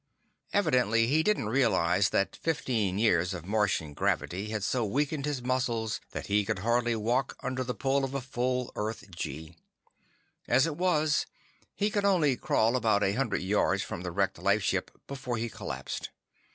Evidently, he didn't realize that fifteen years of Martian gravity had so weakened his muscles that he could hardly walk under the pull of a full Earth gee. As it was, he could only crawl about a hundred yards from the wrecked lifeship before he collapsed.